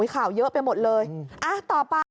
ข่าวเยอะไปหมดเลยต่อไป